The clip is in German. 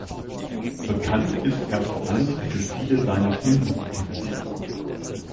Bekannt ist er vor allem für viele seiner Filmmusiken.